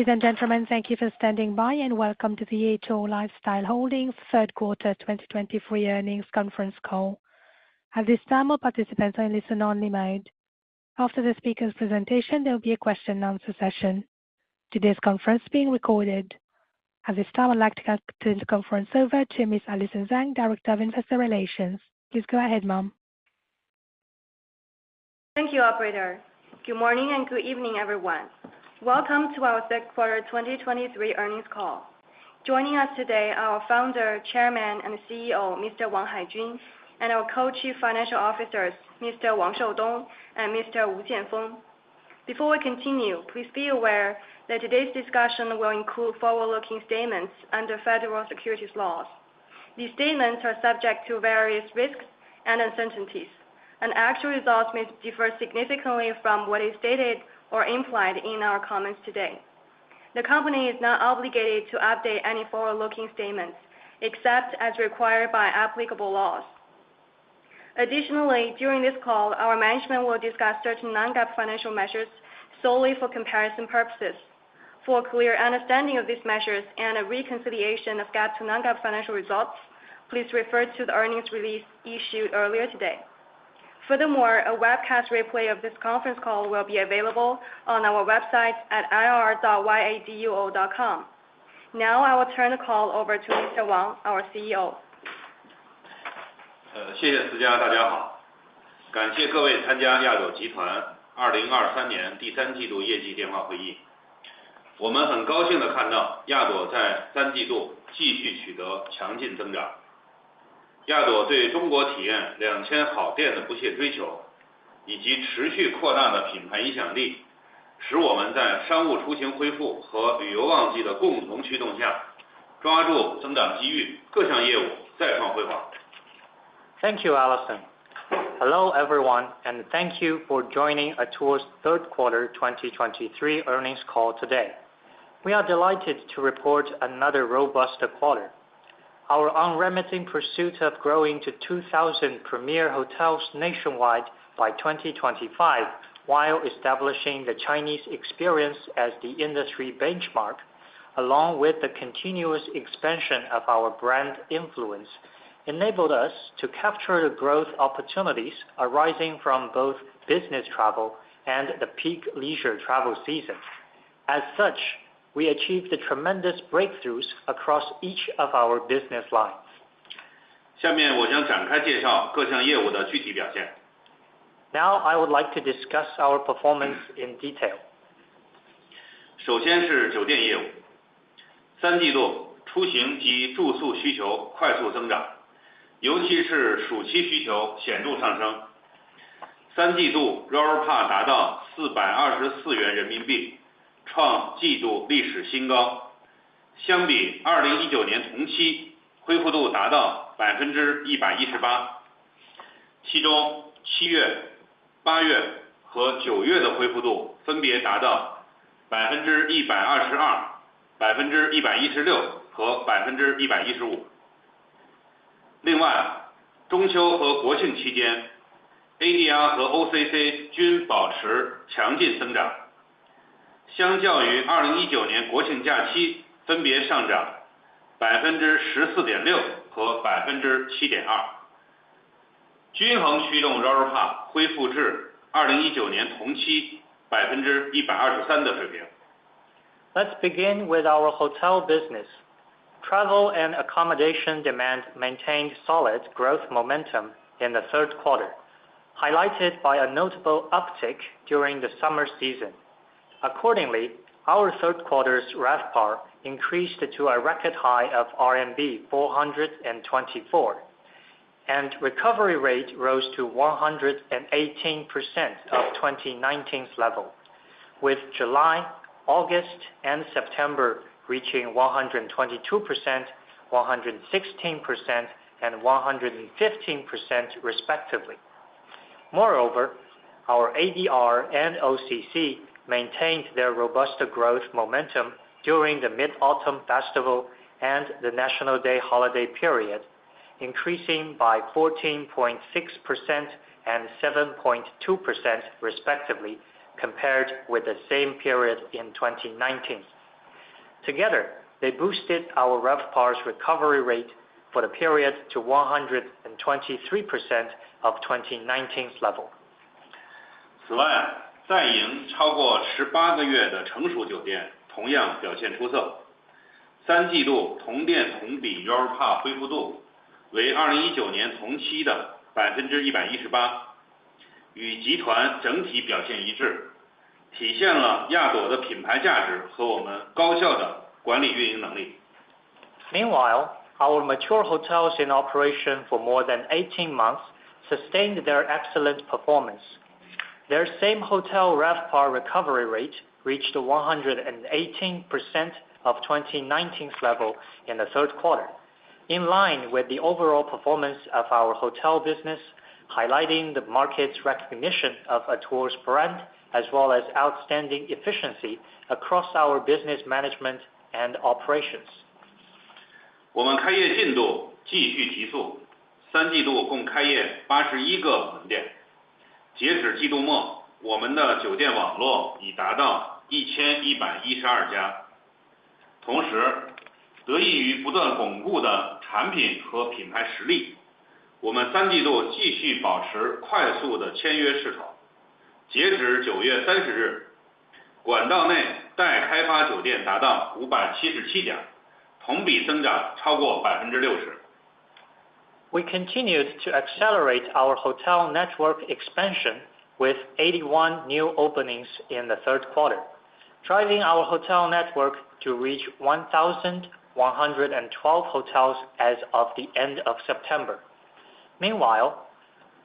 Ladies and gentlemen, thank you for standing by, and welcome to the Atour Lifestyle Holdings Third Quarter 2023 Earnings Conference Call. At this time, all participants are in listen-only mode. After the speaker's presentation, there will be a question and answer session. Today's conference is being recorded. At this time, I would like to ask to turn the conference over to Ms. Alison Zhang, Director of Investor Relations. Please go ahead, ma'am. Thank you, operator. Good morning and good evening, everyone. Welcome to our Third Quarter 2023 Earnings Call. Joining us today are our Founder, Chairman, and CEO, Mr. Haijun Wang, and our Co-Chief Financial Officers, Mr. Shoudong Wang and Mr. Jianfeng Wu. Before we continue, please be aware that today's discussion will include forward-looking statements under federal securities laws. These statements are subject to various risks and uncertainties, and actual results may differ significantly from what is stated or implied in our comments today. The company is not obligated to update any forward-looking statements, except as required by applicable laws. Additionally, during this call, our management will discuss certain non-GAAP financial measures solely for comparison purposes. For a clear understanding of these measures and a reconciliation of GAAP to non-GAAP financial results, please refer to the earnings release issued earlier today. Furthermore, a webcast replay of this conference call will be available on our website at ir.yaduo.com. Now, I will turn the call over to Mr. Wang, our CEO. Thank you, Alison. Hello, everyone, and thank you for joining Atour's Third Quarter 2023 Earnings Call today. We are delighted to report another robust quarter. Our unremitting pursuit of growing to 2,000 premier hotels nationwide by 2025, while establishing the Chinese experience as the industry benchmark, along with the continuous expansion of our brand influence, enabled us to capture the growth opportunities arising from both business travel and the peak leisure travel season. As such, we achieved the tremendous breakthroughs across each of our business lines. Now, I would like to discuss our performance in detail. Let's begin with our hotel business. Travel and accommodation demand maintained solid growth momentum in the third quarter, highlighted by a notable uptick during the summer season. Accordingly, our third quarter's RevPAR increased to a record high of RMB 424, and recovery rate rose to 118% of 2019's level, with July, August, and September reaching 122%, 116%, and 115% respectively. Moreover, our ADR and OCC maintained their robust growth momentum during the Mid-Autumn Festival and the National Day holiday period, increasing by 14.6% and 7.2% respectively, compared with the same period in 2019. Together, they boosted our RevPAR's recovery rate for the period to 123% of 2019's level. Meanwhile, our mature hotels in operation for more than 18 months sustained their excellent performance. Their same hotel RevPAR recovery rate reached 118% of 2019's level in the third quarter, in line with the overall performance of our hotel business, highlighting the market's recognition of Yaduo's brand, as well as outstanding efficiency across our business management and operations. 我们的开业进度继续提速，三季度共开业81个门店。截止季度末，我们的酒店网络已达到1,112家。同时，受益于不断巩固的产品和品牌实力，我们三季度继续保持快速的签约势头。截止九月三十日，管道内待开发酒店达到577家，同比增长超过60%。We continued to accelerate our hotel network expansion with 81 new openings in the third quarter, driving our hotel network to reach 1,112 hotels as of the end of September. Meanwhile,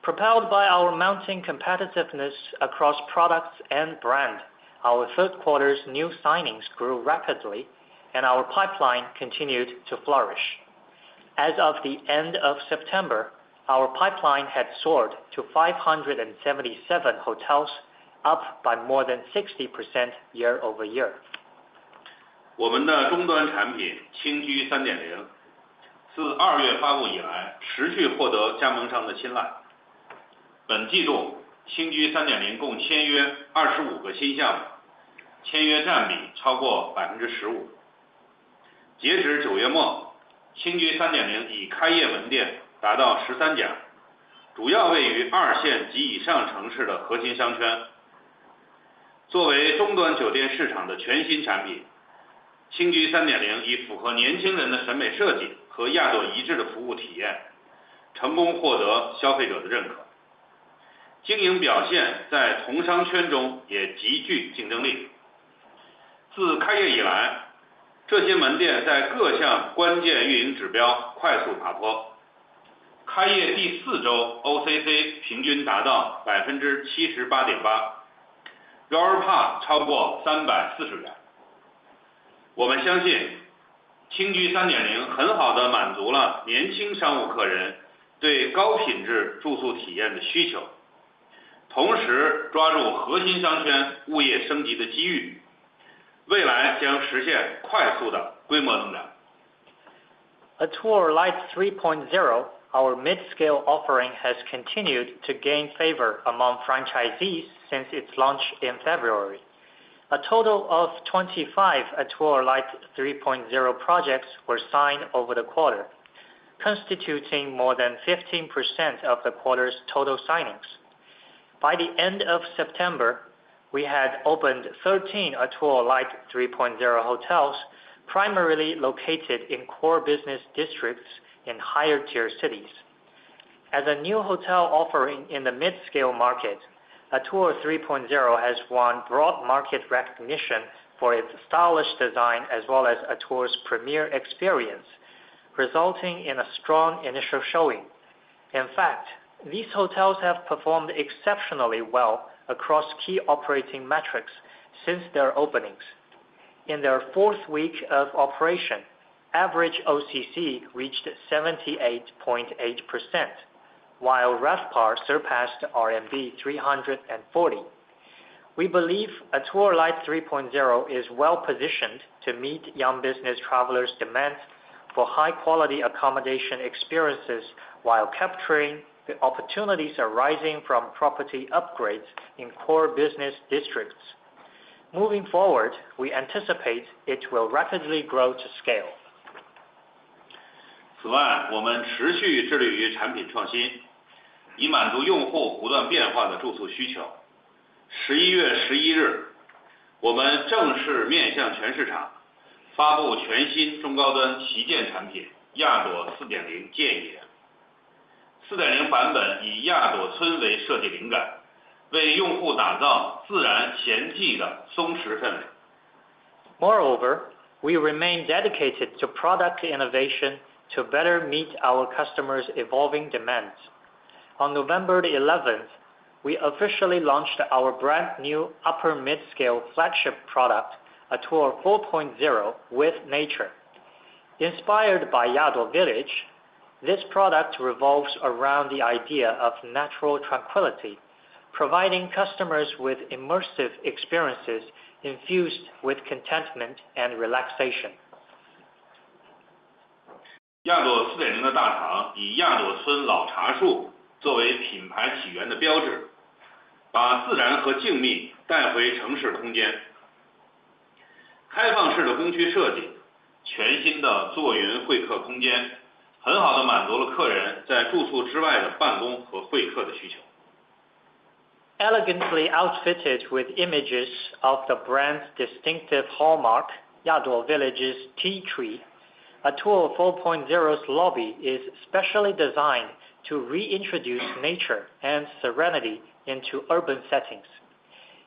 propelled by our mounting competitiveness across products and brand, our third quarter's new signings grew rapidly and our pipeline continued to flourish. As of the end of September, our pipeline had soared to 577 hotels, up by more than 60% year-over-year. 我们的中端产品青居3.0，自2月发布以来，持续获得加盟商的青睐。本季度，青居3.0共签约25个新项目，签约占比超过15%。截止9月末，青居3.0已开业门店达到13家，主要位于二线及以上城市的核心商圈。作为中端酒店市场的新产品，青居3.0以符合年轻人的审美设计和亚朵一致的服务体验，成功获得消费者的认可，经营表现也在同商圈中也极具竞争力。自开业以来，这些门店在各项关键运营指标快速爬坡，开业第4周OCC平均达到78.8%，RevPAR超过CNY 340。我们相信，青居3.0很好地满足了年轻商务客人对高品质住宿体验的需求，同时抓住核心商圈物业升级的机会，未来将实现快速的规模增长。3.0, our mid-scale offering, has continued to gain favor among franchisees since its launch in February. A total of 25 Atour Light 3.0 projects were signed over the quarter, constituting more than 15% of the quarter's total signings. By the end of September, we had opened 13 Atour Light 3.0 hotels, primarily located in core business districts in higher tier cities. As a new hotel offering in the mid-scale market, Atour Light 3.0 has won broad market recognition for its stylish design as well as Atour's premier experience, resulting in a strong initial showing. In fact, these hotels have performed exceptionally well across key operating metrics since their openings. In their fourth week of operation, average OCC reached 78.8%, while RevPAR surpassed RMB 340. We believe Atour Light 3.0 is well positioned to meet young business travelers' demand for high quality accommodation experiences, while capturing the opportunities arising from property upgrades in core business districts. Moving forward, we anticipate it will rapidly grow to scale. 此外，我们持续致力于产品创新，以满足用户不断变化的住宿需求。11月11日，我们正式面向全市场发布全新中高端旗舰产品，亚朵 4.0 见野。4.0 版本以亚朵村为设计灵感，为用户打造自然闲静的松弛氛围。Moreover, we remain dedicated to product innovation to better meet our customers' evolving demands. On November 11, we officially launched our brand new upper mid-scale flagship product, Atour 4.0 With Nature. Inspired by Yaduo Village, this product revolves around the idea of natural tranquility, providing customers with immersive experiences infused with contentment and relaxation. 亚朵4.0的大堂，以亚朵村老茶树作为品牌起源的标志，把自然和静谧带回城市空间。开放式的公区设计，全新的坐云会客空间，很好地满足了客人在住宿之外的办公和会客的需求。Elegantly outfitted with images of the brand's distinctive hallmark, Yaduo Village's tea tree, Atour 4.0's lobby is specially designed to reintroduce nature and serenity into urban settings.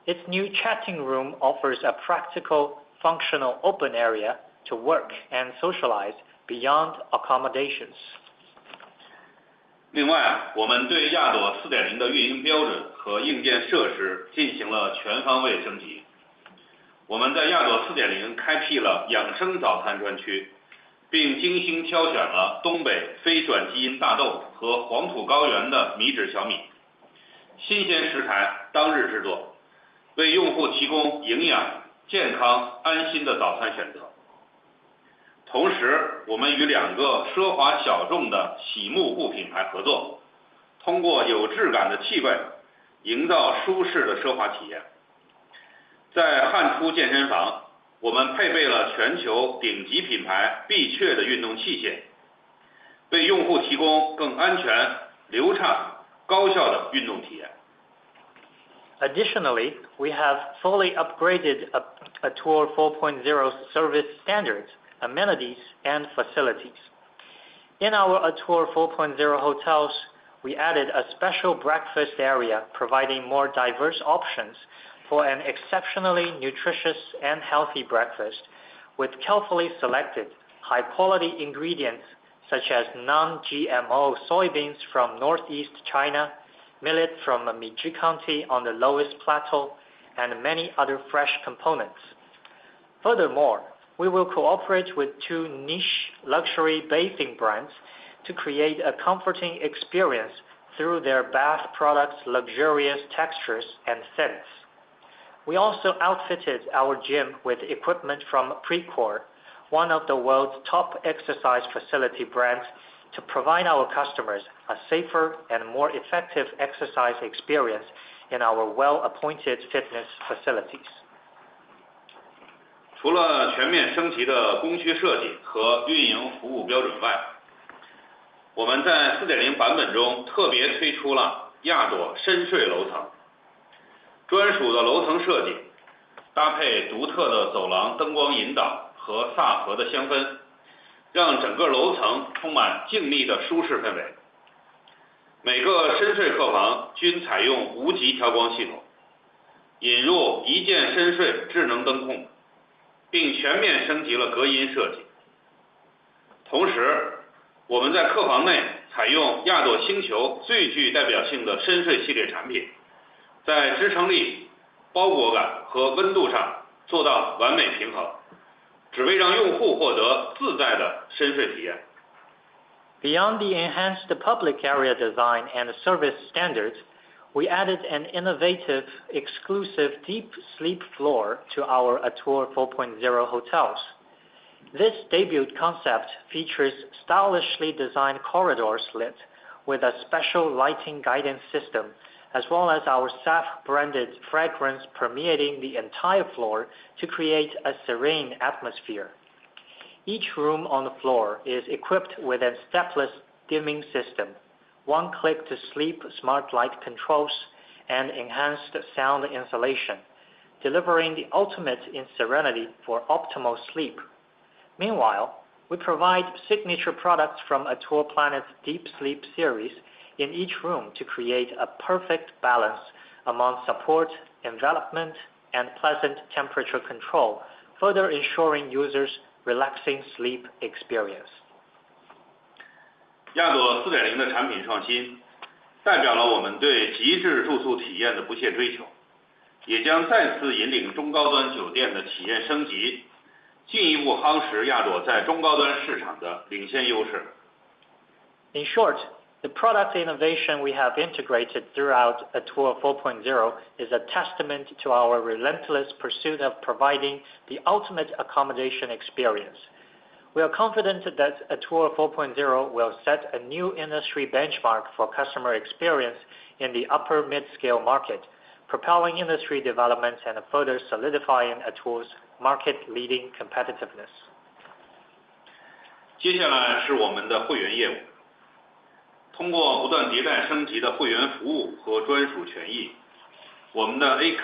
Its new chatting room offers a practical, functional, open area to work and socialize beyond accommodations. 另外，我们对亚朵四点零的运营标准和硬件设施进行了全方位升级。我们在亚朵四点零开辟了养生早餐专区，并精心挑选了东北非转基因大豆和黄土高原的米脂小米。... 新鲜食材，当日制作，为用户提供营养、健康、安心的早餐选择。同时，我们与两个奢华小众的洗沐护品牌合作，通过有质感的气味营造舒适的奢华体验。在汗出健身房，我们配备了全球顶级品牌普瑞科的运动器械，为用户提供更安全、流畅、高效的运动体验。Additionally, we have fully upgraded Atour 4.0 service standards, amenities, facilities. In our Atour 4.0 hotels, we added a special breakfast area, providing more diverse options for an exceptionally nutritious and healthy breakfast with carefully selected, high-quality ingredients such as non-GMO soybeans from Northeast China, millet from Mizhi County on the Loess Plateau, and many other fresh components. Furthermore, we will cooperate with two niche luxury bathing brands to create a comforting experience through their bath products, luxurious textures, and scents. We also outfitted our gym with equipment from Precor, one of the world's top exercise facility brands, to provide our customers a safer and more effective exercise experience in our well-appointed fitness facilities. Planet最具代表性的深睡系列产品，在支撑力、包裹感和温度上做到完美平衡，只为让用户获得自在的深睡体验。Beyond the enhanced public area design and service standards, we added an innovative, exclusive Deep Sleep Floor to our Atour 4.0 hotels. This debut concept features stylishly designed corridor slit with a special lighting guidance system, as well as our staff branded fragrance permeating the entire floor to create a serene atmosphere. Each room on the floor is equipped with a stepless dimming system, one click to sleep, smart light controls, and enhanced sound insulation, delivering the ultimate in serenity for optimal sleep. Meanwhile, we provide signature products from Atour Planet's Deep Sleep series in each room to create a perfect balance among support, envelopment, and pleasant temperature control, further ensuring users' relaxing sleep experience. 亚朵4.0的产品创新，代表了我们对极致住宿体验的不懈追求，也将再次引领中高端酒店的体验升级，进一步夯实亚朵在中高端市场的领先优势。In short, the product innovation we have integrated throughout Atour 4.0 is a testament to our relentless pursuit of providing the ultimate accommodation experience. We are confident that Atour 4.0 will set a new industry benchmark for customer experience in the upper mid-scale market, propelling industry development and further solidifying Atour's market-leading competitiveness. 接下来是我们的会员业务。通过不断迭代升级的会员服务和专属权益，我们的A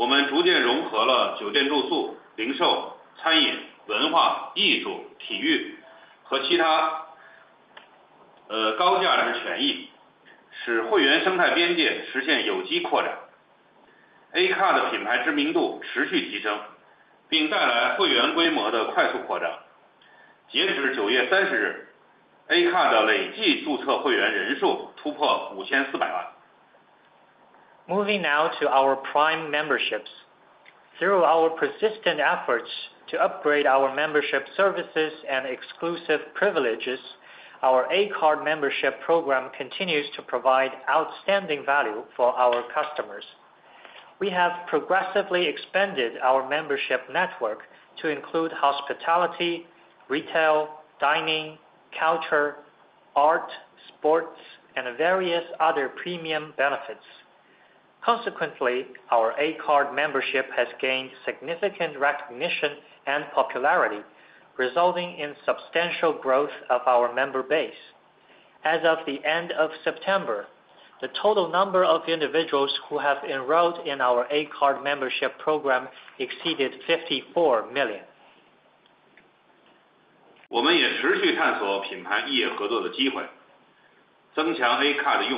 Card会员体系也在持续为用户创造价值。我们逐渐融合了酒店住宿、零售、餐饮、文化、艺术、体育和其他，高价值权益，使会员生态边界实现有机扩展。A Card的品牌知名度持续提升，并带来会员规模的快速扩张。截至9月30日，A Card的累计注册会员人数突破5,400万。Moving now to our prime memberships. Through our persistent efforts to upgrade our membership services and exclusive privileges, our A-Card membership program continues to provide outstanding value for our customers. We have progressively expanded our membership network to include hospitality, retail, dining, culture, art, sports, and various other premium benefits. Consequently, our A-Card membership has gained significant recognition and popularity, resulting in substantial growth of our member base. As of the end of September, the total number of individuals who have enrolled in our A-Card membership program exceeded 54 million. 我们也继续探索品牌异业合作的机会，增强 A-CARD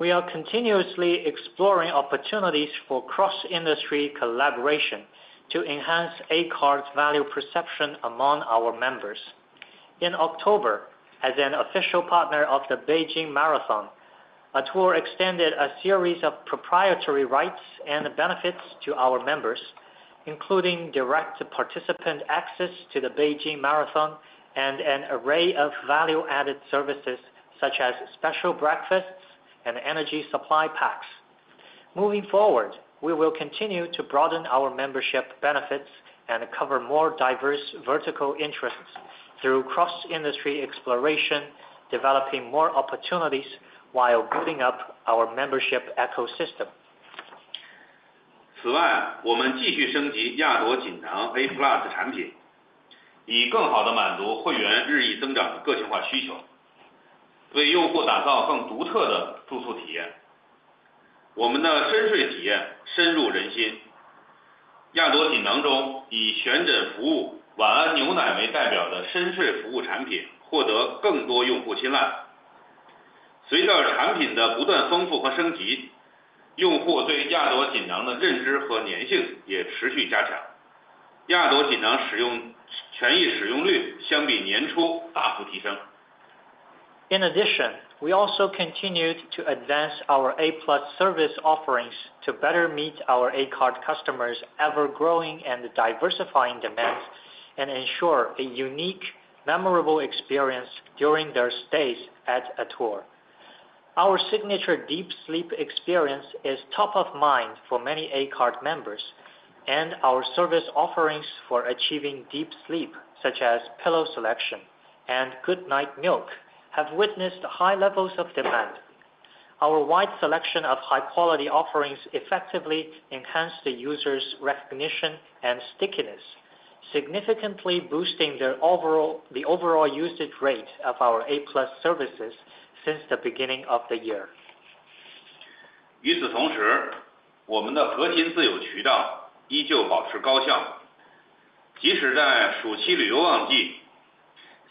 We are continuously exploring opportunities for cross-industry collaboration to enhance A-CARD's value perception among our members. In October, as an official partner of the Beijing Marathon, Atour extended a series of proprietary rights and benefits to our members, including direct participant access to the Beijing Marathon and an array of value-added services such as special breakfasts and energy supply packs. Moving forward, we will continue to broaden our membership benefits and cover more diverse vertical interests through cross-industry exploration, developing more opportunities while building up our membership ecosystem. 此外，我们继续升级亚朵锦囊 A-Plus In addition, we also continued to advance our A-Plus service offerings to better meet our A-Card customers' ever-growing and diversifying demands, and ensure a unique, memorable experience during their stays at Atour. Our signature Deep Sleep experience is top of mind for many A-Card members and our service offerings for achieving deep sleep, such as pillow selection and Good Night Milk, have witnessed high levels of demand. Our wide selection of high-quality offerings effectively enhance the user's recognition and stickiness, significantly boosting the overall usage rate of our A-Plus services since the beginning of the year.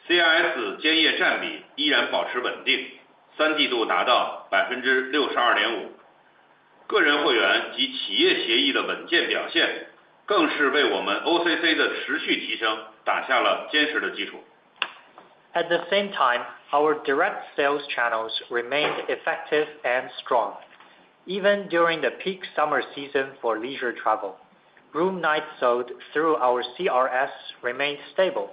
与此同时，我们的核心自有渠道依旧保持高效，即使在暑期旅游旺季，CRS间夜占比依然保持稳定，三季度达到62.5%。个人会员及企业协议的稳健表现，更是为我们OCC的持续提升打下了坚实的基础。At the same time, our direct sales channels remained effective and strong, even during the peak summer season for leisure travel. Room nights sold through our CRS remained stable,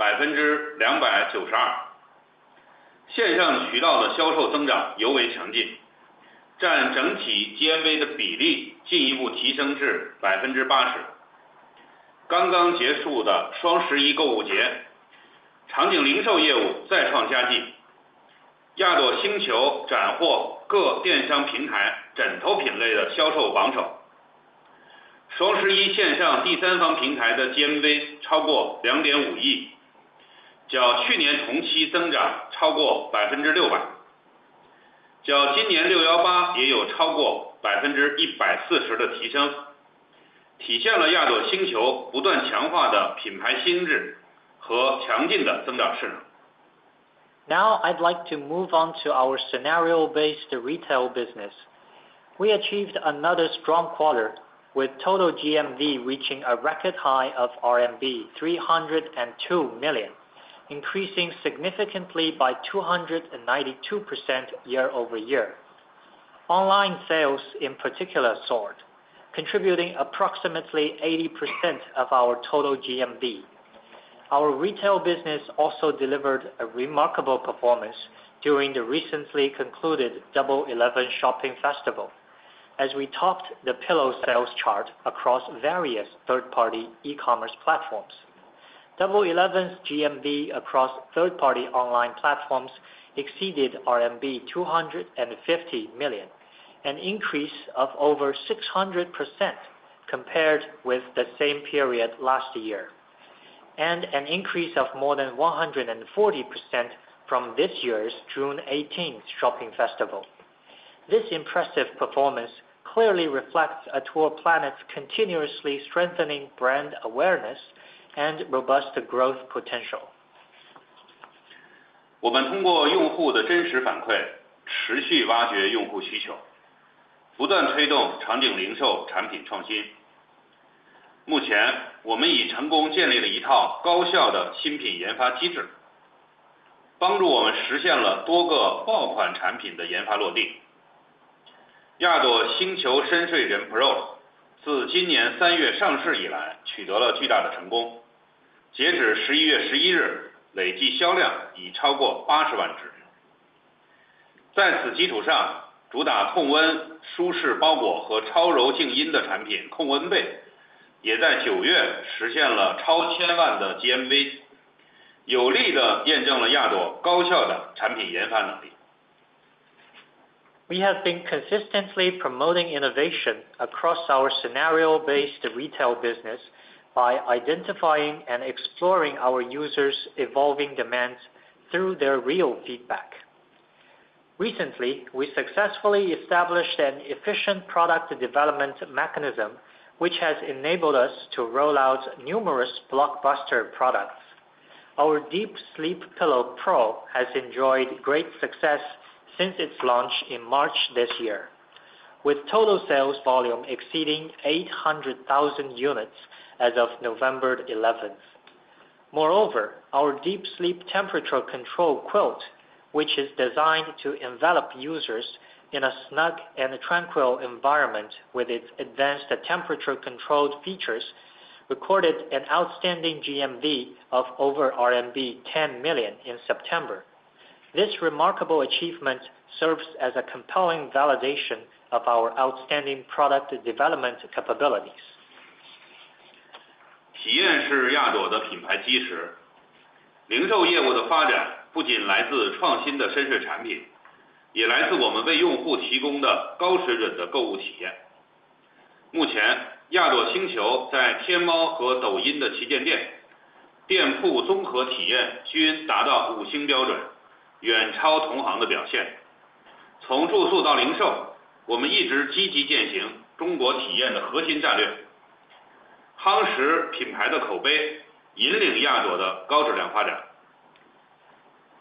momentum. Now, I'd like to move on to our scenario-based retail business. We achieved another strong quarter, with total GMV reaching a record high of RMB 302 million, increasing significantly by 292% year-over-year. Online sales in particular soared, contributing approximately 80% of our total GMV. Our retail business also delivered a remarkable performance during the recently concluded Double Eleven Shopping Festival, as we topped the pillow sales chart across various third-party e-commerce platforms. Double Eleven's GMV across third-party online platforms exceeded RMB 250 million, an increase of over 600% compared with the same period last year, and an increase of more than 140% from this year's June Eighteenth Shopping Festival. This impressive performance clearly reflects Atour Planet's continuously strengthening brand awareness and robust growth potential. 我们通过用户的真实反馈，持续挖掘用户需求，不断推动场景零售产品创新。目前，我们已成功建立了一套高效的新品研发机制，帮助我们实现了多个爆款产品的研发落地。亚朵星球深睡枕 Pro 自今年三月上市以来，取得了巨大的成功，截止十一月十一日，累计销量已超过80万只。... 在此基础上，主打控温、舒适包裹和超柔静音的产品控温被，也在九月实现了超千万的GMV，有力地验证了亚朵高效的产品研发能力。We have been consistently promoting innovation across our scenario-based retail business by identifying and exploring our users' evolving demands through their real feedback. Recently, we successfully established an efficient product development mechanism, which has enabled us to roll out numerous blockbuster products. Our Deep Sleep Pillow Pro has enjoyed great success since its launch in March this year, with total sales volume exceeding 800,000 units as of November 11. Moreover, our Deep Sleep Temperature Control Quilt, which is designed to envelop users in a snug and tranquil environment with its advanced temperature-controlled features, recorded an outstanding GMV of over RMB 10 million in September. This remarkable achievement serves as a compelling validation of our outstanding product development capabilities.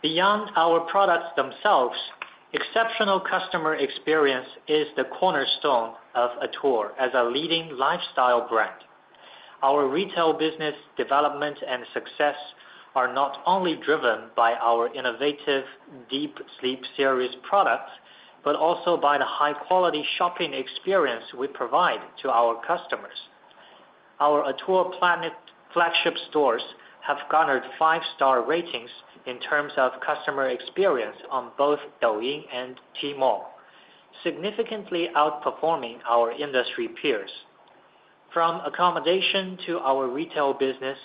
Beyond our products themselves, exceptional customer experience is the cornerstone of Atour as a leading lifestyle brand. Our retail business development and success are not only driven by our innovative Deep Sleep series products, but also by the high-quality shopping experience we provide to our customers. Our Atour Planet flagship stores have garnered five-star ratings in terms of customer experience on both Douyin and Tmall, significantly outperforming our industry peers. From accommodation to our retail business,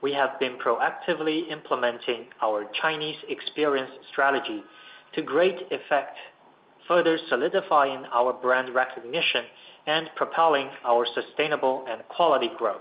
we have been proactively implementing our Chinese experience strategy to great effect, further solidifying our brand recognition and propelling our sustainable and quality growth.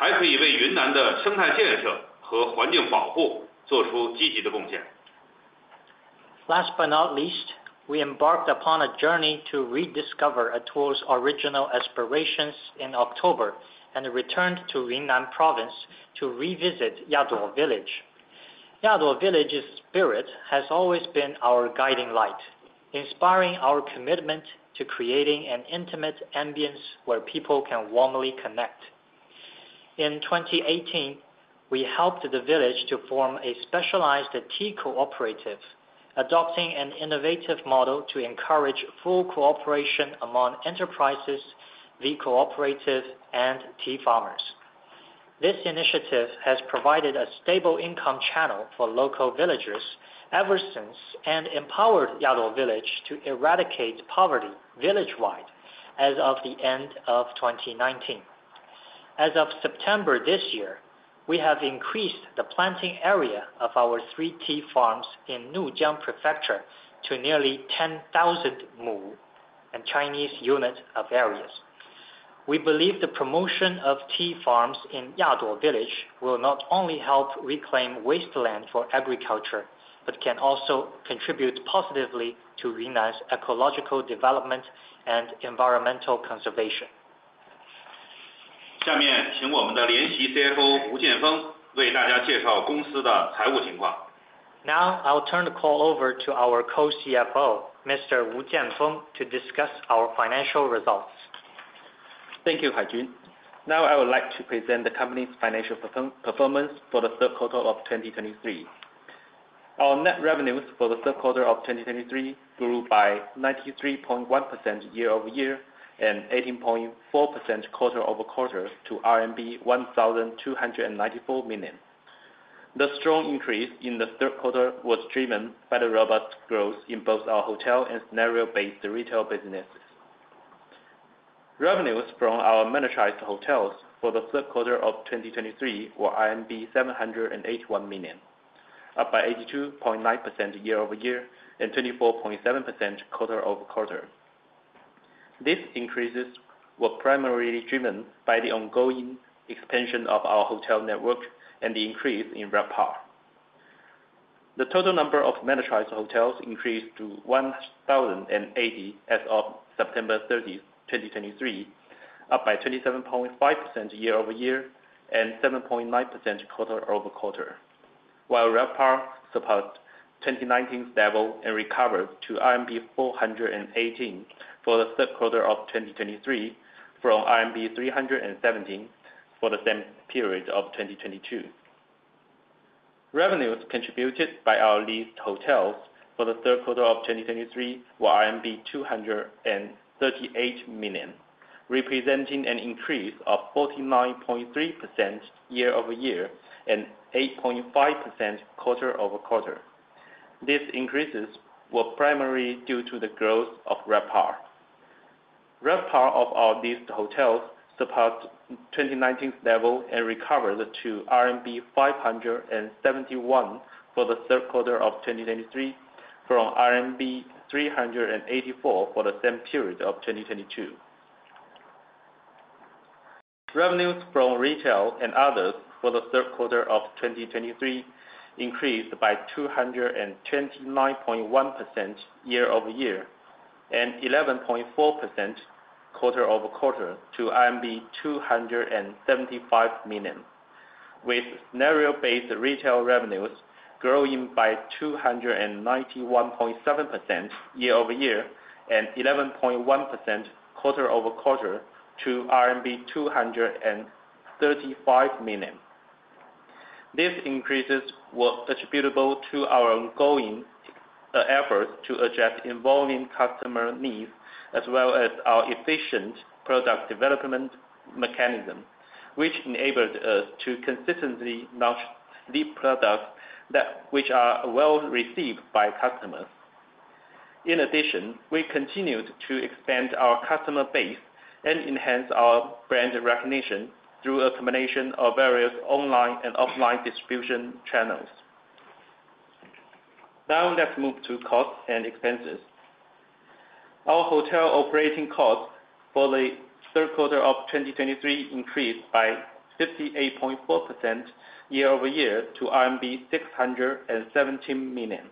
Last but not least, we embarked upon a journey to rediscover Atour's original aspirations in October, and returned to Yunnan Province to revisit Yaduo Village. Yaduo Village's spirit has always been our guiding light, inspiring our commitment to creating an intimate ambience where people can warmly connect. In 2018, we helped the village to form a specialized tea cooperative, adopting an innovative model to encourage full cooperation among enterprises, the cooperative, and tea farmers. This initiative has provided a stable income channel for local villagers ever since, and empowered Yaduo Village to eradicate poverty village-wide as of the end of 2019. As of September this year, we have increased the planting area of our three tea farms in Nujiang Prefecture to nearly 10,000 mu, a Chinese unit of area. We believe the promotion of tea farms in Yaduo Village will not only help reclaim wasteland for agriculture, but can also contribute positively to Yunnan's ecological development and environmental conservation. 下面请我们的联席CFO吴剑峰，为大家介绍公司的财务情况。Now, I'll turn the call over to our Co-CFO, Mr. Jianfeng Wu, to discuss our financial results. Thank you, Haijun. Now I would like to present the company's financial performance for the third quarter of 2023. Our net revenues for the third quarter of 2023 grew by 93.1% year-over-year, and 18.4% quarter-over-quarter to RMB 1,294 million. The strong increase in the third quarter was driven by the robust growth in both our hotel and scenario-based retail businesses. Revenues from our managed hotels for the third quarter of 2023 were RMB 781 million up by 82.9% year-over-year, and 24.7% quarter-over-quarter. These increases were primarily driven by the ongoing expansion of our hotel network and the increase in RevPAR. The total number of managed hotels increased to 1,080 as of September 30, 2023, up by 27.5% year-over-year, and 7.9% quarter-over-quarter, while RevPAR surpassed 2019 level and recovered to RMB 418 for the third quarter of 2023, from RMB 317 for the same period of 2022. Revenues contributed by our leased hotels for the third quarter of 2023 were RMB 238 million, representing an increase of 49.3% year-over-year, and 8.5% quarter-over-quarter. These increases were primarily due to the growth of RevPAR. RevPAR of our leased hotels surpassed 2019 level and recovered to RMB 571 for the third quarter of 2023, from RMB 384 for the same period of 2022. Revenues from retail and others for the third quarter of 2023 increased by 229.1% year-over-year, and 11.4% quarter over quarter to 275 million, with scenario-based retail revenues growing by 291.7% year-over-year, and 11.1% quarter over quarter to RMB 235 million. These increases were attributable to our ongoing effort to adjust evolving customer needs, as well as our efficient product development mechanism, which enabled us to consistently launch new products which are well received by customers. In addition, we continued to expand our customer base and enhance our brand recognition through a combination of various online and offline distribution channels. Now, let's move to costs and expenses. Our hotel operating costs for the third quarter of 2023 increased by 58.4% year-over-year to RMB 617 million,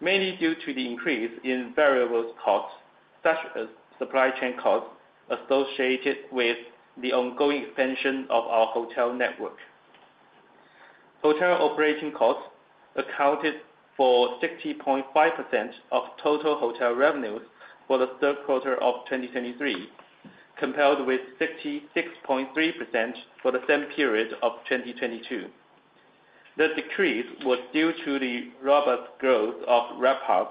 mainly due to the increase in variable costs, such as supply chain costs, associated with the ongoing expansion of our hotel network. Hotel operating costs accounted for 60.5% of total hotel revenues for the third quarter of 2023, compared with 66.3% for the same period of 2022. The decrease was due to the robust growth of RevPAR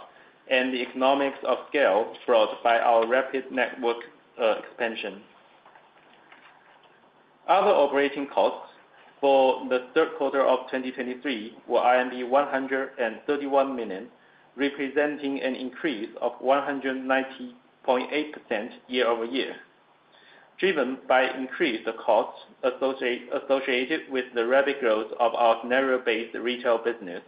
and the economics of scale brought by our rapid network expansion. Other operating costs for the third quarter of 2023 were 131 million, representing an increase of 190.8% year-over-year, driven by increased costs associated with the rapid growth of our scenario-based retail business.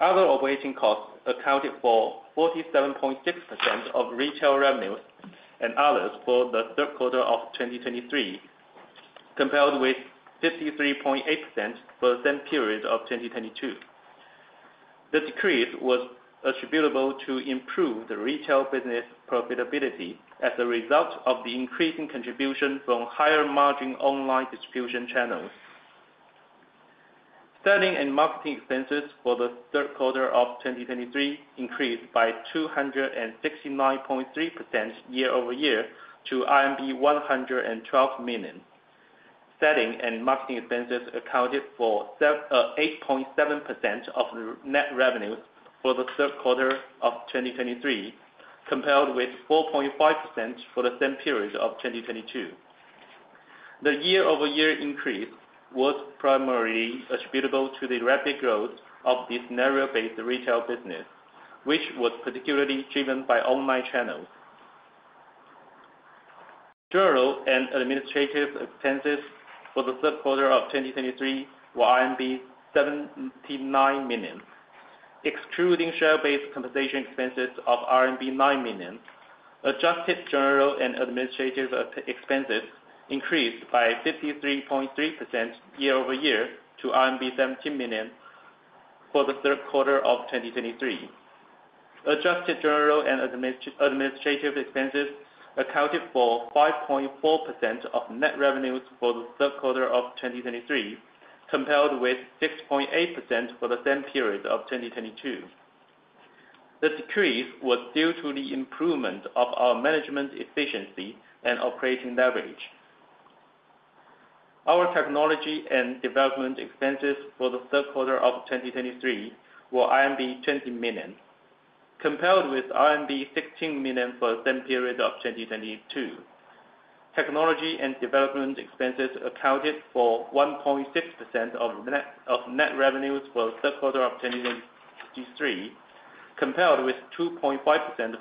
Other operating costs accounted for 47.6% of retail revenues and others for the third quarter of 2023, compared with 53.8% for the same period of 2022. The decrease was attributable to improve the retail business profitability as a result of the increasing contribution from higher margin online distribution channels. Selling and marketing expenses for the third quarter of 2023 increased by 269.3% year-over-year to CNY 112 million. Selling and marketing expenses accounted for 8.7% of the net revenues for the third quarter of 2023, compared with 4.5% for the same period of 2022. The year-over-year increase was primarily attributable to the rapid growth of the scenario-based retail business, which was particularly driven by online channels. General and administrative expenses for the third quarter of 2023 were 79 million, excluding share-based compensation expenses of RMB 9 million. Adjusted general and administrative expenses increased by 53.3% year-over-year to RMB 70 million for the third quarter of 2023. Adjusted general and administrative expenses accounted for 5.4% of net revenues for the third quarter of 2023, compared with 6.8% for the same period of 2022. The decrease was due to the improvement of our management efficiency and operating leverage. Our technology and development expenses for the third quarter of 2023 were RMB 20 million, compared with RMB 16 million for the same period of 2022. Technology and development expenses accounted for 1.6% of net revenues for the third quarter of 2023, compared with 2.5%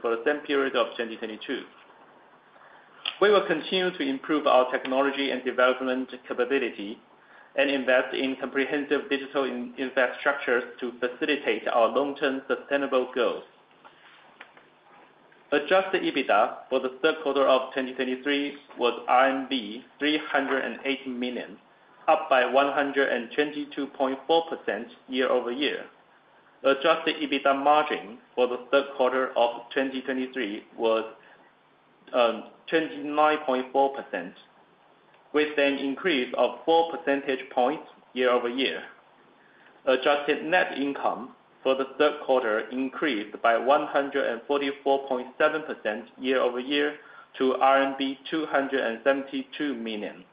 for the same period of 2022. We will continue to improve our technology and development capability, and invest in comprehensive digital infrastructures to facilitate our long-term sustainable goals. Adjusted EBITDA for the third quarter of 2023 was RMB 380 million, up by 122.4% year-over-year. Adjusted EBITDA margin for the third quarter of 2023 was 29.4%, with an increase of four percentage points year-over-year. Adjusted net income for the third quarter increased by 144.7% year-over-year to RMB 272 million.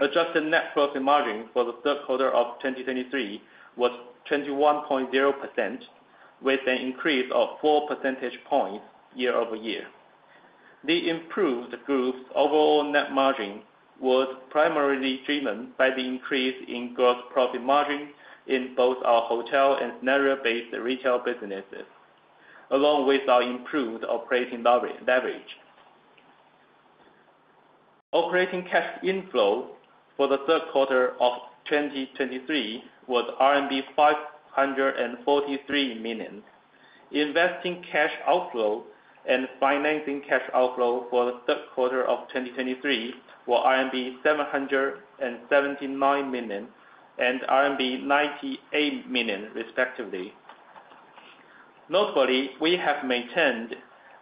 Adjusted net profit margin for the third quarter of 2023 was 21.0%, with an increase of four percentage points year-over-year. The improved group's overall net margin was primarily driven by the increase in gross profit margin in both our hotel and area-based retail businesses, along with our improved operating leverage. Operating cash inflow for the third quarter of 2023 was RMB 543 million. Investing cash outflow and financing cash outflow for the third quarter of 2023 were RMB 779 million and RMB 98 million, respectively. Notably, we have maintained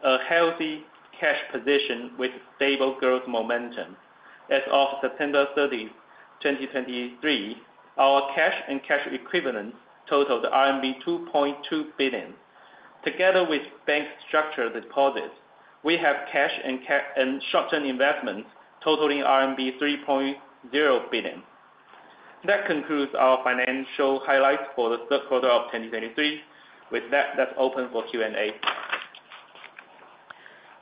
a healthy cash position with stable growth momentum. As of September thirtieth, 2023, our cash and cash equivalents totaled RMB 2.2 billion. Together with bank structured deposits, we have cash and short-term investments totaling RMB 3.0 billion. That concludes our financial highlights for the third quarter of 2023. With that, let's open for Q&A.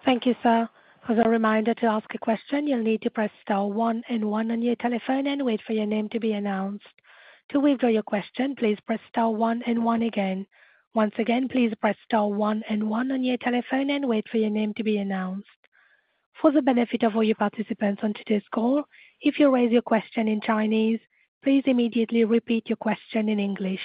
Thank you, sir. As a reminder to ask a question, you'll need to press star one and one on your telephone and wait for your name to be announced. To withdraw your question, please press star one and one again. Once again, please press star one and one on your telephone and wait for your name to be announced. For the benefit of all your participants on today's call, if you raise your question in Chinese, please immediately repeat your question in English.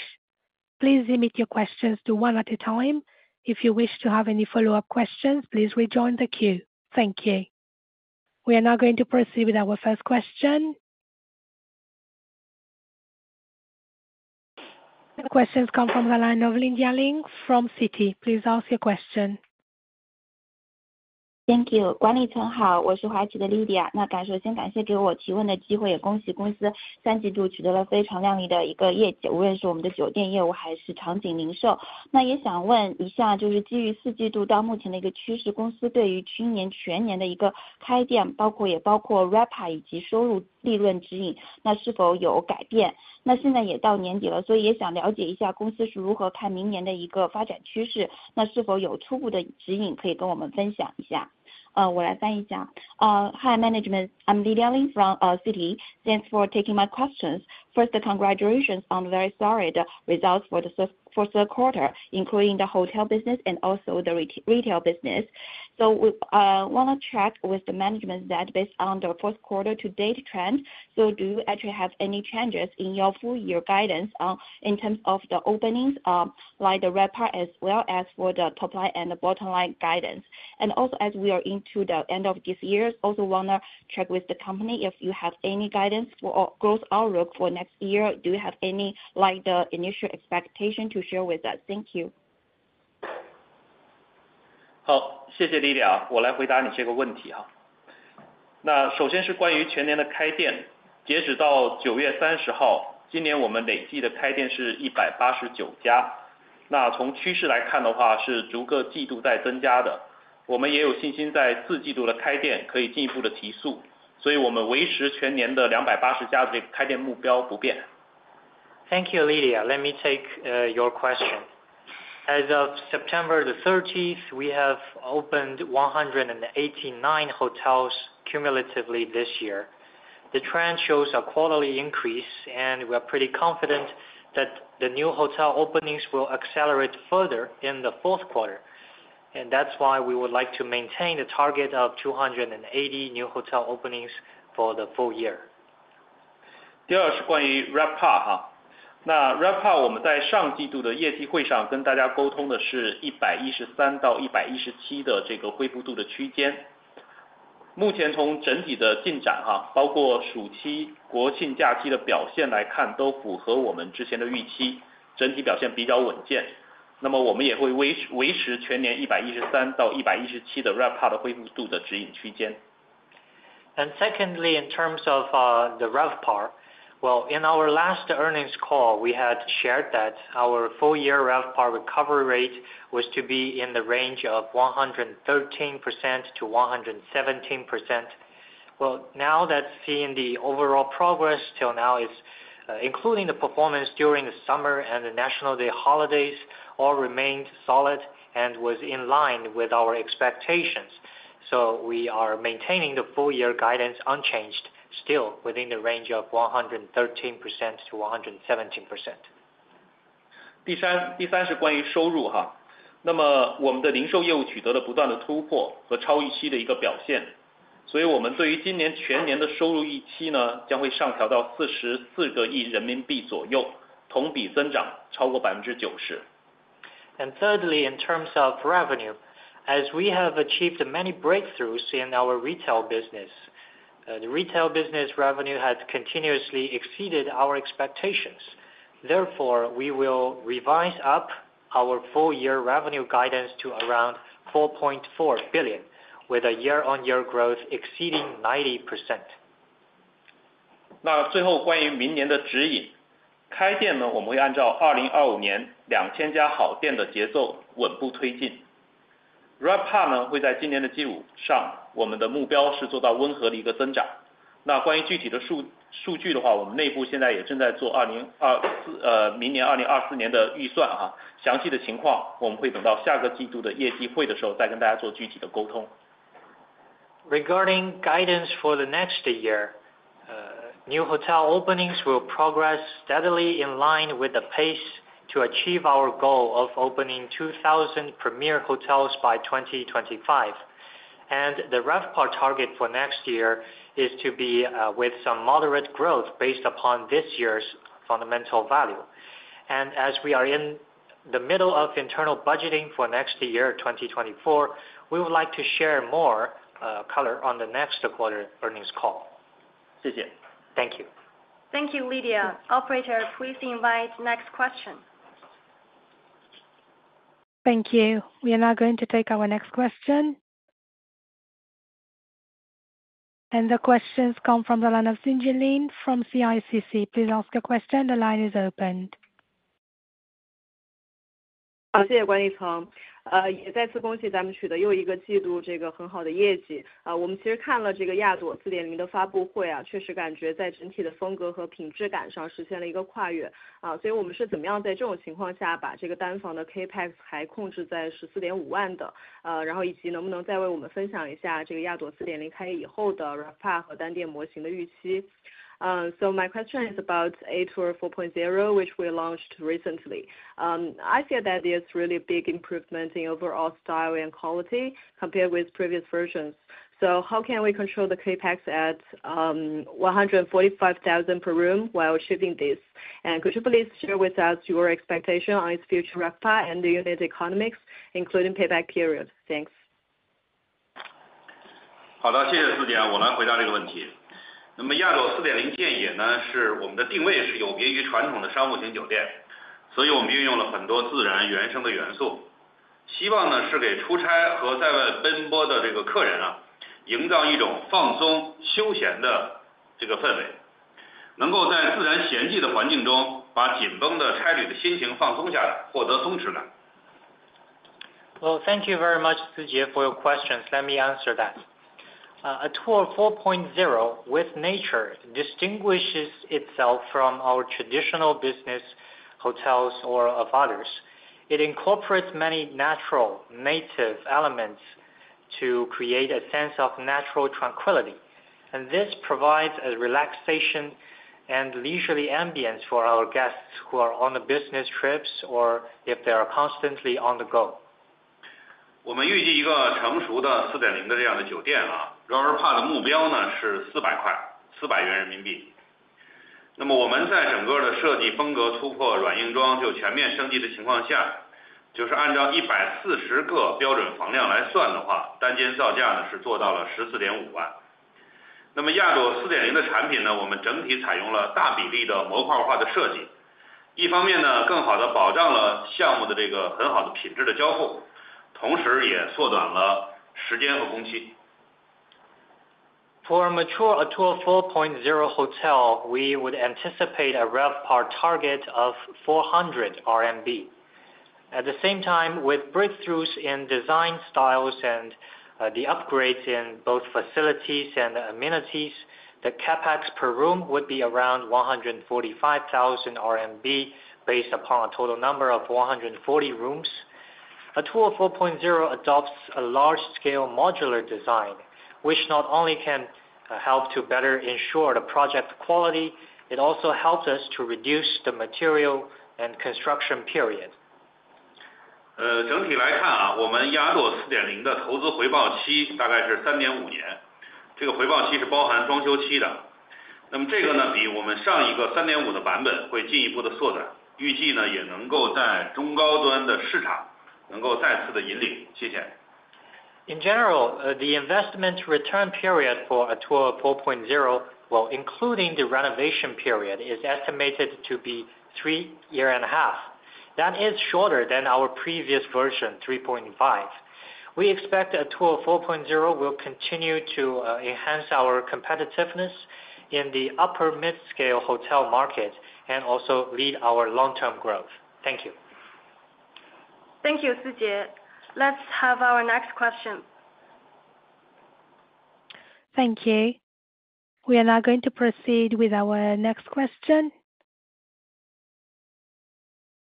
Please limit your questions to one at a time. If you wish to have any follow-up questions, please rejoin the queue. Thank you. We are now going to proceed with our first question. The question comes from the line of Lydia Ling from Citi. Please ask your question. Thank you. Hello, management. I am Lydia from Citi. First, thank you for the opportunity to ask a question. Also, congratulations to the company for achieving a very impressive performance in the third quarter, whether it is our hotel business or scenario retail. I also want to ask, based on the trend from the fourth quarter to the present, for the company's full year, full year's store openings, including also including RevPAR as well as revenue profit guidance, has there been any change? Now it is also nearing the end of the year, so I also want to understand how the company views next year's development trend. Is there any preliminary guidance that can be shared with us? Uh, let me translate. Uh, hi, management. I'm Lydia Ling from Citi. Thanks for taking my questions. First, congratulations on very solid results for the third quarter, including the hotel business and also the retail business. So we wanna check with the management that based on the fourth quarter to date trend, so do you actually have any changes in your full year guidance in terms of the openings, like the RevPAR, as well as for the top line and the bottom line guidance? And also, as we are into the end of this year, also wanna check with the company if you have any guidance for or growth outlook for next year, do you have any, like, the initial expectation to share with us? Thank you. 好，谢谢Lydia，我来回答你这个问题啊。首先是关于全年的开店，截止到9月30号，今年我们累计的开店是189家。那从趋势来看的话，是逐个季度在增加的，我们也有信心在四季度的开店可以进一步的提速，所以我们维持全年的280家这个开店目标不变。Thank you, Lydia. Let me take your question. As of September the thirtieth, we have opened 189 hotels cumulatively this year. The trend shows a quarterly increase, and we are pretty confident that the new hotel openings will accelerate further in the fourth quarter, and that's why we would like to maintain the target of 280 new hotel openings for the full year. 第二是关于RevPAR。那RevPAR我们在上季度的业绩会上跟大家沟通的是113-117的这个恢复度的区间。目前从整体的进展，包括暑期、国庆假期的表现来看，都符合我们之前的预期，整体表现比较稳健。那么我们也会维持全年113-117的RevPAR的恢复度的指引区间。And secondly, in terms of the RevPAR, well, in our last earnings call, we had shared that our full year RevPAR recovery rate was to be in the range of 113%-117%. Well, now that seeing the overall progress till now, it's including the performance during the summer and the National Day holidays, all remained solid and was in line with our expectations. So we are maintaining the full year guidance unchanged, still within the range of 113%-117%. …第三，是关于收入。那么我们的零售业务取得了不断的突破和超预期的表现，所以我们对于今年全年的收入预期呢，会上调到44亿人民币左右，同比增长超过90%。Thirdly, in terms of revenue, as we have achieved many breakthroughs in our retail business, the retail business revenue has continuously exceeded our expectations. Therefore, we will revise up our full year revenue guidance to around 4.4 billion, with a year-on-year growth exceeding 90%. 那最后关于明年的指引，开店呢，我们会按照2025年2,000家好店的节奏稳步推进。RevPAR呢，会在今年的基础上，我们的目标是做到温和的一个增长。那关于具体的数据的话，我们内部现在也正在做2024，明年2024年的预算啊，详细的情况我们会等到下个季度的业绩会的时候再跟大家做具体的沟通。Regarding guidance for the next year, new hotel openings will progress steadily in line with the pace to achieve our goal of opening 2,000 premier hotels by 2025. And the RevPAR target for next year is to be with some moderate growth based upon this year's fundamental value. And as we are in the middle of internal budgeting for next year, 2024, we would like to share more color on the next quarter earnings call. 谢谢。Thank you。Thank you, Lydia. Operator, please invite next question. Thank you. We are now going to take our next question. The questions come from the line of Sijie Lin from CICC. Please ask your question. The line is open. 好，谢谢管理层，也再次恭喜咱们取得又一个季度这个很好的业绩。我们其实看了这个Atour 4.0的发布会，确实感觉在整体的风格和品质感上实现了一个跨越。所以我们是怎么样的在这种情况下，把这个单房的CapEx还控制在CNY 145,000的，然后以及能不能再为我们分享一下这个Atour 4.0开业以后的RevPAR和单店模型的预期？So my question is about Atour 4.0, which we launched recently. I feel that it's really a big improvement in overall style and quality compared with previous versions. So how can we control the CapEx at 145,000 per room while achieving this? And could you please share with us your expectation on its future RevPAR and the unit economics, including payback period? Thanks. 好的，谢谢思洁，我来回答这个问题。那么亚朵 4.0 渐野呢，是我们的定位是有别于传统的商务型酒店，所以我们运用了很多自然原生的元素，希望呢，是给出差和在外奔波的这个客人啊，营造一种放松休闲的这个氛围，能够在自然闲适的环境中，把紧绷的差旅的心情放松下来，获得松弛感。Well, thank you very much, Sijie, for your questions. Let me answer that. Atour 4.0 with Nature distinguishes itself from our traditional business, hotels or of others. It incorporates many natural, native elements to create a sense of natural tranquility, and this provides a relaxation and leisurely ambiance for our guests who are on the business trips or if they are constantly on the go. 我们预计一个成熟的4.0的这样的酒店啊，RevPAR的目标呢是CNY 400。那么我们在整个的设计风格突破，软硬装就全面升级的情况下，就是按照140个标准房量来算的话，单间造价呢，是做到了CNY 145,000。那么亚朵4.0的产品呢，我们整体采用了大比例的模块化的设计，一方面呢，更好地保障了项目的这个很好的品质的交货，同时也缩短了时间和工期。For a mature Atour 4.0 hotel, we would anticipate a RevPAR target of 400 CNY. At the same time, with breakthroughs in design styles and the upgrades in both facilities and amenities, the CapEx per room would be around 145,000 RMB, based upon a total number of 140 rooms. Atour 4.0 adopts a large-scale modular design, which not only can help to better ensure the project quality, it also helps us to reduce the material and construction period. Overall, our Atour 4.0's investment payback period is approximately 3-5 years. This payback period includes the renovation period. So, this one, compared to our previous 3.5 version, will be further shortened. It is expected to also be able to lead again in the mid-to-high-end market. Thank you. In general, the investment return period for Atour 4.0, including the renovation period, is estimated to be 3.5 years. That is shorter than our previous version, 3.5. We expect Atour 4.0 will continue to enhance our competitiveness in the upper mid-scale hotel market and also lead our long-term growth. Thank you. Thank you, Sijie. Let's have our next question. Thank you. We are now going to proceed with our next question.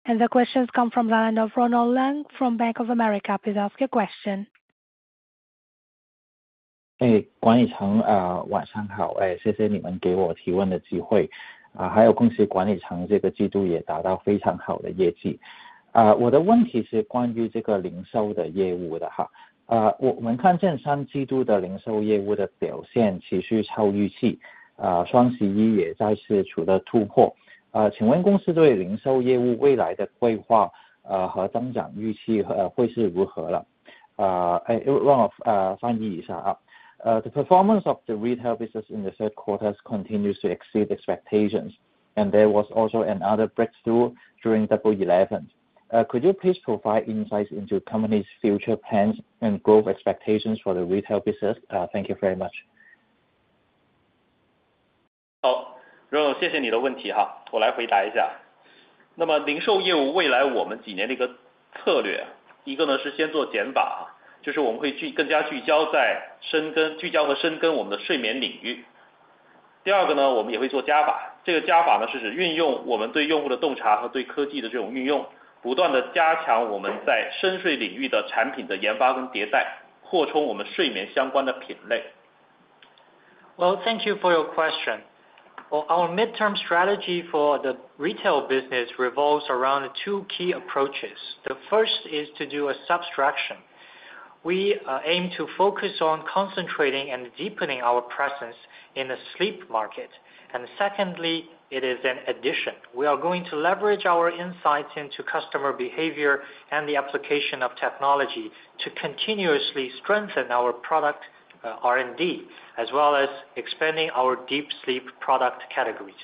The question comes from the line of Ronald Leung from Bank of America. Please ask your question. Management, good evening. Thank you for giving me the opportunity to ask a question. Also, congratulations to the management for achieving very good performance this quarter as well. My question is about the retail business. We see that the performance of the retail business in the third quarter continues to exceed expectations, and Double Eleven also achieved another breakthrough once again. What are the company's future plans and growth expectations for the retail business? Could you please provide insights into company's future plans and growth expectations for the retail business? Thank you very much. 好，谢谢你的问题哈，我来回答一下。那么零售业务未来我们的几年的一个策略，一个呢是先做减法，就是我们会去更加聚焦在深耕，聚焦和深耕我们的睡眠领域。第二个呢，我们也会做加法，这个加法呢，是指运用我们对用户的洞察和对科技的这种运用，不断地加强我们在深睡领域的产品的研发跟迭代，扩充我们睡眠相关的品类。Well, thank you for your question. Our mid-term strategy for the retail business revolves around two key approaches. The first is to do a subtraction. We aim to focus on concentrating and deepening our presence in the sleep market. And secondly, it is an addition. We are going to leverage our insights into customer behavior and the application of technology to continuously strengthen our product, R&D, as well as expanding our deep sleep product categories.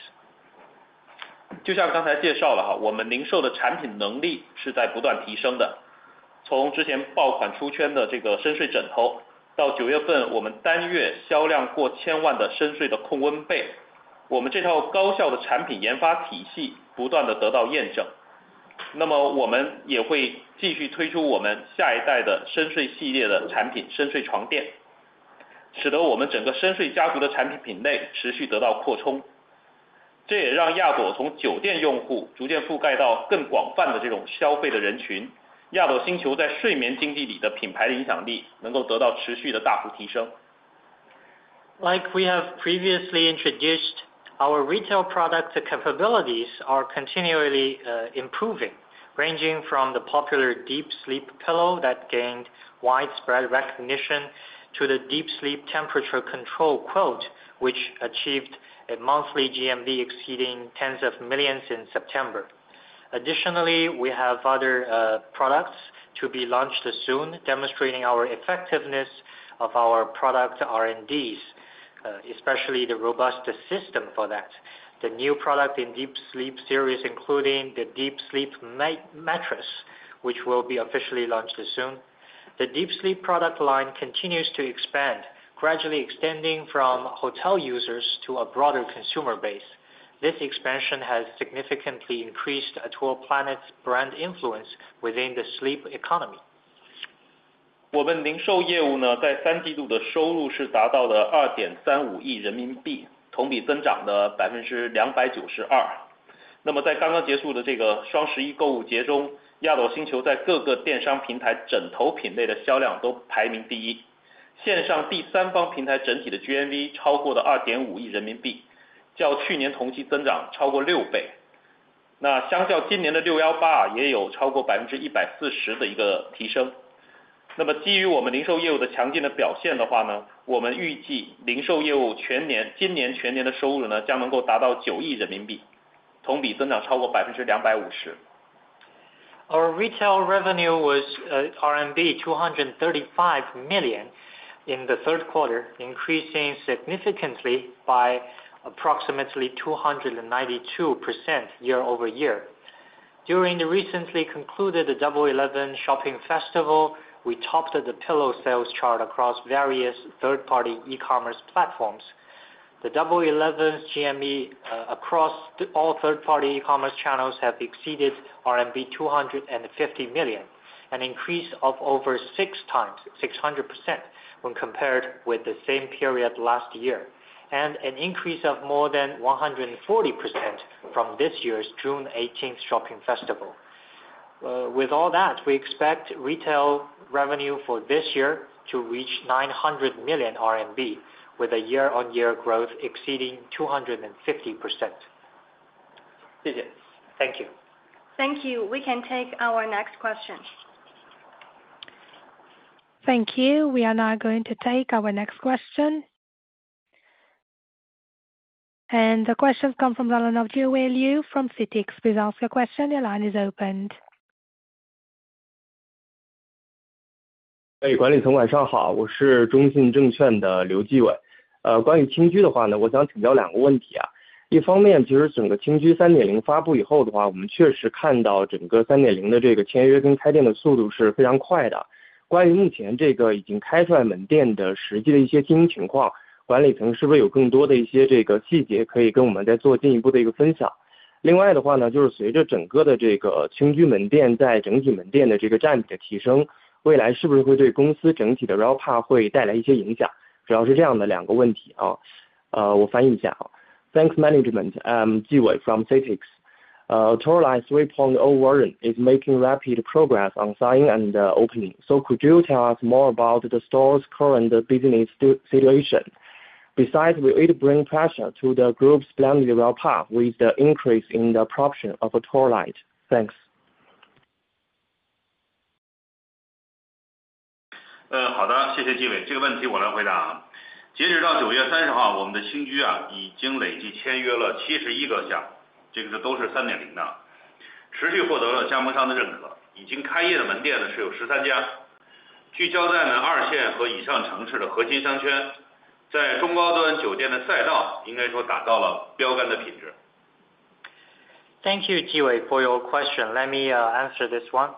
就像刚才介绍了，我们零售的产品能力是在不断提升的。从之前爆款出圈的这个深睡枕头，到九月份我们单月销量超过1,000万的深睡的控温被，我们这套高效的产品研发体系不断地得到验证。那么我们也会继续推出我们下一代的深睡系列的产品，深睡床垫，使得我们整个深睡家族的产品品类持续得到扩充，这也让亚朵从酒店用户逐渐覆盖到更广泛的这种消费的人群。亚朵星球在睡眠经济里的品牌影响力能够得到持续的大幅提升。Like we have previously introduced, our retail product capabilities are continually improving, ranging from the popular Deep Sleep Pillow that gained widespread recognition to the Deep Sleep Temperature Control Quilt, which achieved a monthly GMV exceeding CNY tens of millions in September. Additionally, we have other products to be launched soon, demonstrating our effectiveness of our product R&Ds, especially the robust system for that. The new product in Deep Sleep series, including the Deep Sleep mattress, which will be officially launched soon. The Deep Sleep product line continues to expand, gradually extending from hotel users to a broader consumer base. This expansion has significantly increased Atour Planet's brand influence within the sleep economy. Our retail business, in the third quarter, the revenue reached CNY 235 million, up 292% year-over-year. Then in the just-ended Double 11 shopping festival, Atour Planet in various e-commerce platforms' pillow category sales all ranked first, online third-party platforms overall GMV exceeded CNY 250 million, up more than 6 times from the same period last year. That compared to this year's 618, also has more than 140% increase. Then based on our retail business's strong performance, we expect retail business full year, this year's full year revenue, will be able to reach CNY 900 million, up more than 250% year-over-year. Our retail revenue was RMB 235 million in the third quarter, increasing significantly by approximately 292% year-over-year. During the recently concluded the Double Eleven Shopping Festival, we topped the pillow sales chart across various third-party e-commerce platforms. The Double Eleven's GMV across all third-party e-commerce channels have exceeded RMB 250 million, an increase of over six times, 600% when compared with the same period last year, and an increase of more than 140% from this year's June 18th Shopping Festival. With all that, we expect retail revenue for this year to reach 900 million RMB, with a year-on-year growth exceeding 250%. 谢谢。Thank you。Thank you, we can take our next question. Thank you, we are now going to take our next question. The question comes from analyst Liu from Citic. Please ask your question. Your line is open. 管理层晚上好，我是中信证券的刘继伟。关于轻居的话呢，我想请教2个问题啊。一方面，其实整个轻居3.0发布以后的话，我们确实看到整个3.0的这个签约跟开店的速度是非常快的。关于目前这个已经开出来门店的实际的一些经营情况，管理层是不是有更多的一些这个细节可以跟我们再做进一步的一个分享？另外的话呢，就是随着整个的这个轻居门店在整体门店的这个占比的提升，未来是不是会对公司整体的ROPA会带来一些影响？主要是这样的2个问题啊。我翻译一下啊。Thanks management, Jiawei from CITIC.... Atour Light 3.0 version is making rapid progress on signing and opening. So could you tell us more about the store's current business situation? Besides, will it bring pressure to the group's brand RevPAR with the increase in the proportion of Atour Light? Thanks. 好的，谢谢纪伟。这个问题我来回答啊。截止到9月30号，我们的青居啊，已经累计签约了71个项目，这个都是3.0的，持续获得了加盟商的认可。已经开业的门店呢是有13家，聚焦在了二线和以上城市的核心商圈，在中高端酒店的赛道，应该说达到了标杆的品质。Thank you, Jiawei, for your question. Let me answer this one.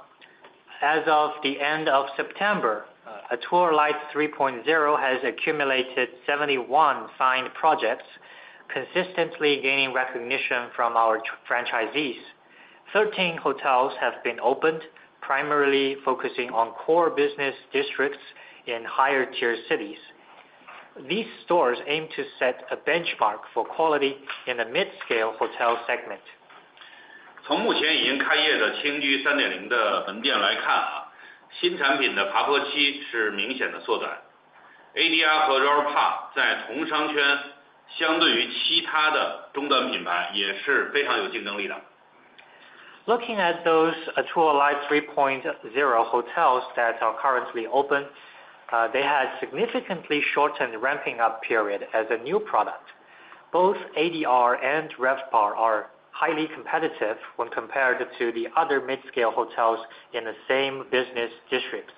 As of the end of September, Atour Light 3.0 has accumulated 71 signed projects, consistently gaining recognition from our franchisees. Thirteen hotels have been opened, primarily focusing on core business districts in higher tier cities. These stores aim to set a benchmark for quality in the mid-scale hotel segment. 从目前已经开业的青居3.0的门店来看，新产品的爬坡期是明显的缩短。ADR和RevPAR在同商圈相对于其他的终端品牌，也是非常有竞争力的。Looking at those Atour Light 3.0 hotels that are currently open, they had significantly shortened ramping-up period as a new product. Both ADR and RevPAR are highly competitive when compared to the other mid-scale hotels in the same business districts.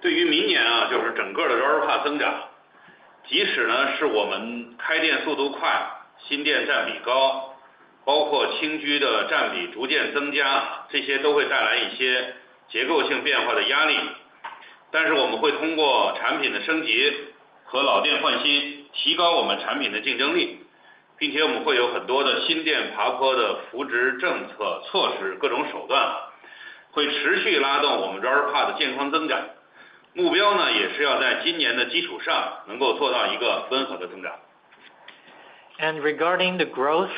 对于明年啊，就是整个的RevPAR增长，即使呢是我们开店速度快，新店占比高，包括青居的占比逐渐增加，这些都会带来一些结构性变化的压力。但是我们会通过产品的升级和老店换新，提高我们产品的竞争力，并且我们会有很多的新店爬坡的扶持政策、措施，各种手段啊，会持续拉动我们RevPAR的健康增长。目标呢，也是要在今年的基础上，能够做到一个温和的增长。Regarding the growth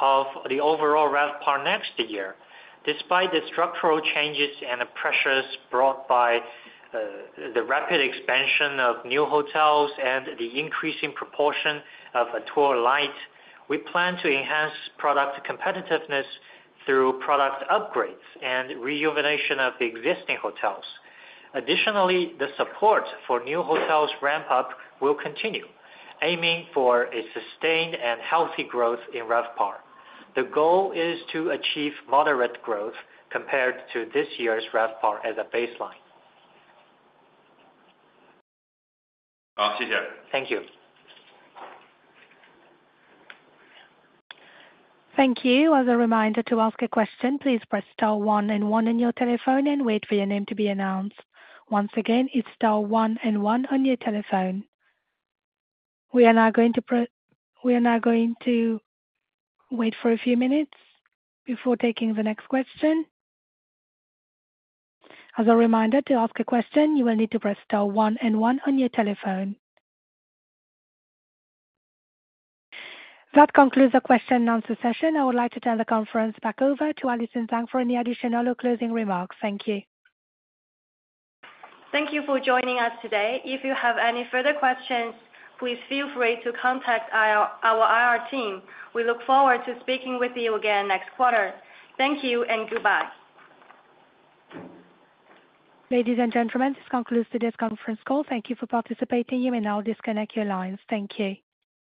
of the overall RevPAR next year, despite the structural changes and the pressures brought by the rapid expansion of new hotels and the increasing proportion of Atour Light, we plan to enhance product competitiveness through product upgrades and rejuvenation of the existing hotels. Additionally, the support for new hotels ramp up will continue, aiming for a sustained and healthy growth in RevPAR. The goal is to achieve moderate growth compared to this year's RevPAR as a baseline. 好，谢谢。Thank you. Thank you. As a reminder, to ask a question, please press star one and one on your telephone and wait for your name to be announced. Once again, it's star one and one on your telephone. We are now going to wait for a few minutes before taking the next question. As a reminder, to ask a question, you will need to press star one and one on your telephone. That concludes the question and answer session. I would like to turn the conference back over to Alison Zhang for any additional or closing remarks. Thank you. Thank you for joining us today. If you have any further questions, please feel free to contact our IR team. We look forward to speaking with you again next quarter. Thank you and goodbye. Ladies and gentlemen, this concludes today's conference call. Thank you for participating. You may now disconnect your lines. Thank you.